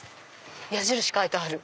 矢印書いてある。